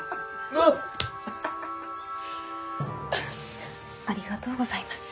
ありがとうございます。